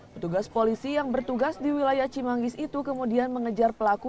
petugas polisi yang bertugas di wilayah cimanggis itu kemudian mengejar pelaku